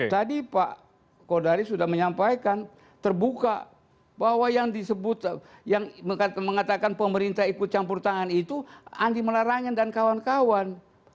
tadi pak kodari sudah menyampaikan terbuka bahwa yang disebut yang mengatakan pemerintah ikut campur tangan itu andi melarangin dan kawan kawan